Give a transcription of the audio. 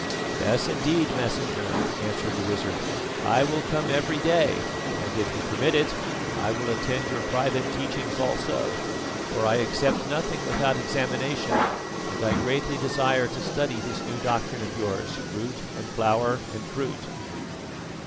"Yes, indeed, Messenger," answered the wizard; "I will come every day, and if you permit it, I will attend your private teachings also, for I accept nothing without examination, and I greatly desire to study this new doctrine of yours, root and flower and fruit."